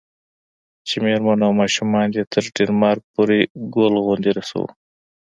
چې میرمن او ماشومان دې تر ډنمارک پورې ګل غوندې رسوو.